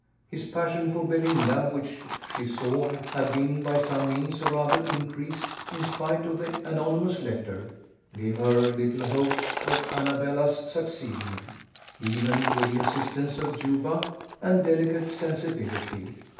His passion for Belinda, which she saw had been by some means or other increased, in spite of the anonymous letter, gave her little hopes of Annabella's succeeding, even with the assistance of Juba and delicate sensibility.